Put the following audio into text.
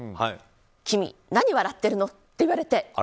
君、何笑ってるの！って言われて。